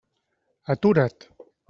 Atura't!